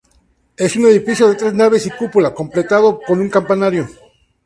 Es un edificio de tres naves y cúpula, completado con un campanario.